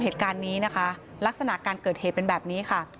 เหตุการณ์นี้นะคะลักษณะการเกิดเหตุเป็นแบบนี้ค่ะ